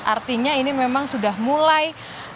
artinya ini memang sudah mulai